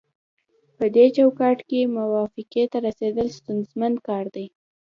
پدې چوکاټ کې موافقې ته رسیدل ستونزمن کار دی